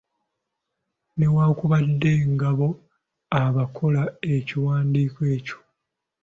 Newankubadde ng’abo abaakola ekiwandiiko ekyo